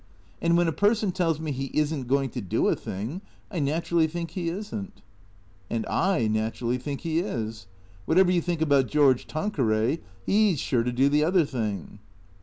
And when a person tells me he is n't going to do a thing, I naturally think he is n't." " And I naturally think he is. Whatever you think about George Tanqueray, he 's sure to do the other thing."